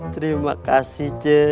terima kasih ce